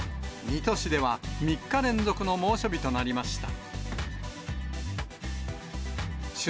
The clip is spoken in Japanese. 水戸市では３日連続の猛暑日となりました。